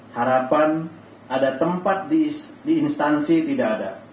harapan ada tempat di instansi tidak ada